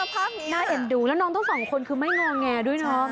ภาพนี้น่าเอ็นดูแล้วน้องทั้งสองคนคือไม่งอแงด้วยเนาะ